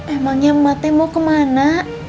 emangnya mbate mau kemana